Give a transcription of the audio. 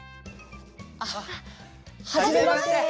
あっはじめまして。